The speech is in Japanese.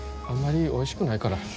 あんまりおいしくないから。